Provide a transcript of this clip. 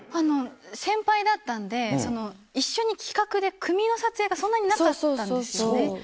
先輩だったんで、一緒に企画で組みの撮影がそんなになかったそうそうそう。